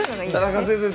田中先生